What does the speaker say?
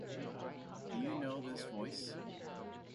Do You Know This Voice?